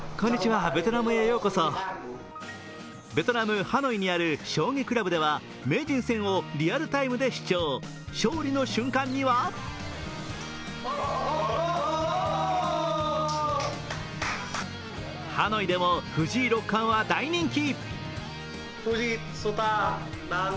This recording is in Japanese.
ベトナム・ハノイにある将棋倶楽部では、名人戦をリアルタイムで視聴、勝利の瞬間にはハノイでも藤井六冠は大人気。